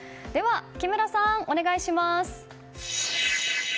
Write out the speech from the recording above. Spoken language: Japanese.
木村さん、お願いします。